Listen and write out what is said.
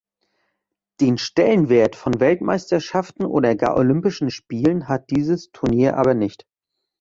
Den Stellenwert von Weltmeisterschaften oder gar Olympischen Spielen hat dieses Turnier aber nicht.